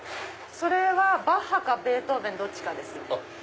それはバッハかベートーベンどっちかです。